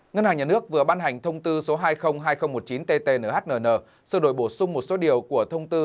ngân hàng nhà nước vừa ban hành thông tư số hai trăm linh hai nghìn một mươi chín ttnhn sự đổi bổ sung một số điều của thông tư